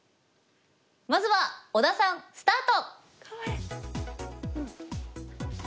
まずは小田さんスタート！